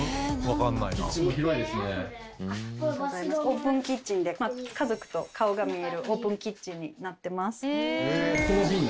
オープンキッチンで家族と顔が見えるオープンキッチンになってます。